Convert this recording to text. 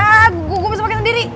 aduh gue bisa pakai sendiri